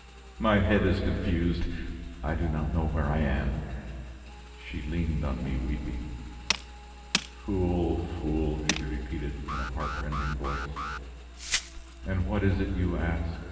My head is confused, I do not know where I am!" She leaned on me weeping. "Fool! Fool!" she repeated, in a heart rending voice. "And what is it you ask?"